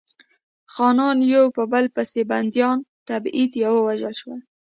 خانان یو په بل پسې بندیان، تبعید یا ووژل شول.